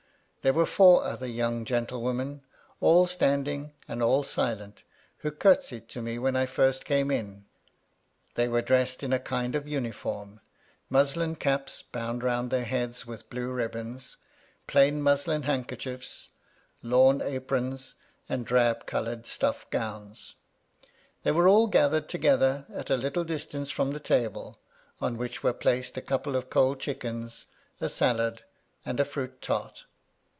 There were four other young gentle women, all standing, and all silent, who curtsied to me when I first came in. They were dressed in a kind of uniform : muslin caps bound round their heads with blue ribbons, plain muslin handkerchiefs, lawn MY LADY LUDLOW. 27 aprons, and drab coloured stuff gowns. They were all gathered together at a little distance from the table, on which were placed a couple of cold chickens, a salad, and a fruit tart.